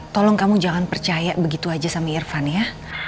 tolong kamu jangan percaya begitu aja sama irfan ya